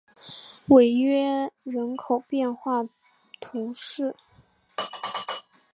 韦耶人口变化图示